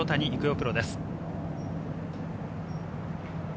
プロです。